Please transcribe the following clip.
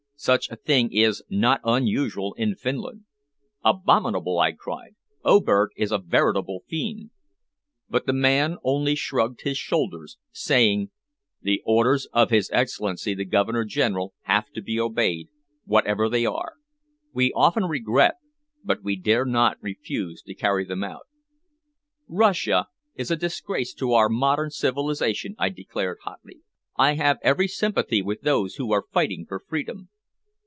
Such a thing is not unusual in Finland." "Abominable!" I cried. "Oberg is a veritable fiend." But the man only shrugged his shoulders, saying "The orders of his Excellency the Governor General have to be obeyed, whatever they are. We often regret, but we dare not refuse to carry them out." "Russian rule is a disgrace to our modern civilization," I declared hotly. "I have every sympathy with those who are fighting for freedom."